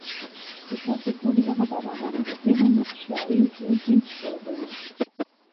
کتاب د پوهې هغه باران دی چې د ذهن شاړې ځمکې خړوبوي.